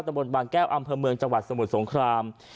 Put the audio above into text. บนบางแก้วอำเภอเมืองจังหวัดสมุทรสงคราม